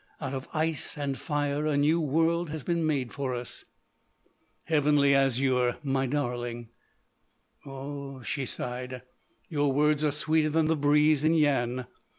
Out of ice and fire a new world has been made for us." "Heavenly Azure—my darling!" "Oh h," she sighed, "your words are sweeter than the breeze in Yian!